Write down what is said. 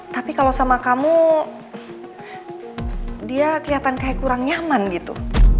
tapi kalau sama kamu dia kelihatan kayak kurang nyaman gitu